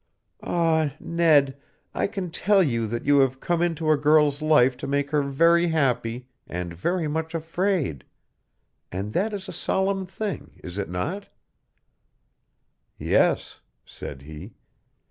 Ah, Ned, I can tell you that you have come into a girl's life to make her very happy and very much afraid. And that is a solemn thing; is it not?" "Yes," said he.